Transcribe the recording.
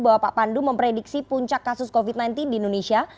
bahwa pak pandu memprediksi puncak kasus covid sembilan belas di indonesia